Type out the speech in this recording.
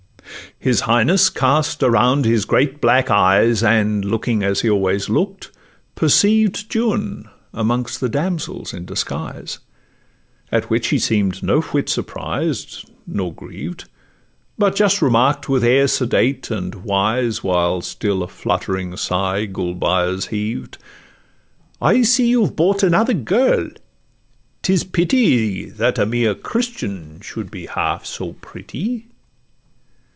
His Highness cast around his great black eyes, And looking, as he always look'd, perceived Juan amongst the damsels in disguise, At which he seem'd no whit surprised nor grieved, But just remark'd with air sedate and wise, While still a fluttering sigh Gulbeyaz heaved, 'I see you've bought another girl; 'tis pity That a mere Christian should be half so pretty.